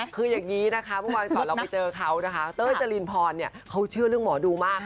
คืออย่างนี้นะคะเมื่อวานก่อนเราไปเจอเขานะคะเต้ยจรินพรเขาเชื่อเรื่องหมอดูมาก